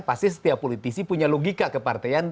pasti setiap politisi punya logika kepartean